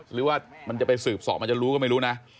หรือว่ามันจะไปสืบสอบมันจะรู้ก็ไม่รู้นะ